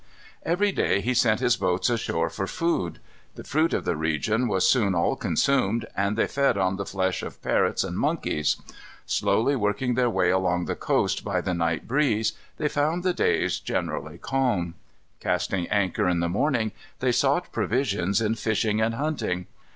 Every day he sent his boats ashore for food. The fruit of the region was soon all consumed, and they fed on the flesh of parrots and monkeys. Slowly working their way along the coast by the night breeze, they found the days generally calm. Casting anchor in the morning, they sought provisions in fishing and hunting.